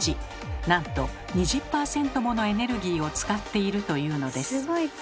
なんと２０％ものエネルギーを使っているというのです。